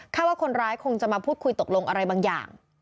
ว่าคนร้ายคงจะมาพูดคุยตกลงอะไรบางอย่าง